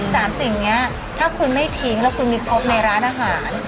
สิ่งนี้ถ้าคุณไม่ทิ้งแล้วคุณมีครบในร้านอาหาร